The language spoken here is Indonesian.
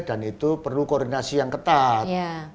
dan itu perlu koordinasi yang ketat